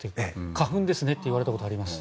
花粉ですねって言われたことあります。